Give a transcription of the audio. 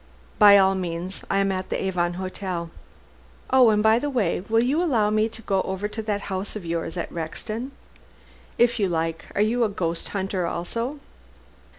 "By all means. I am at the Avon Hotel." "Oh, and by the way, will you allow me to go over that house of yours at Rexton?" "If you like. Are you a ghost hunter also?"